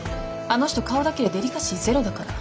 あの人顔だけでデリカシーゼロだから。